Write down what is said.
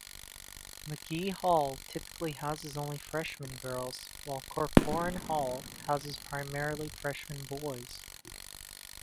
McGee Hall typically houses only freshmen girls, while Corcoran Hall houses primarily freshmen boys.